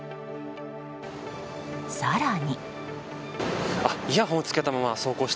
更に。